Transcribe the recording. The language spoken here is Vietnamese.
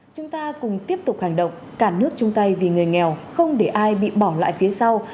chúng ta cùng tiếp tục hành động cả nước chung tay vì người nghèo không để ai bị bỏ lại phía sau